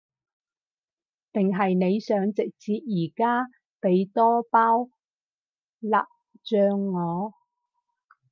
定係你想直接而家畀多包辣醬我？